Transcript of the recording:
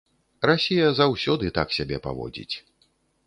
Расія заўсёды так сябе паводзіць.